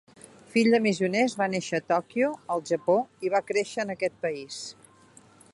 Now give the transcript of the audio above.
Fill de missioners, va néixer a Tòquio, al Japó, i va créixer en aquest país.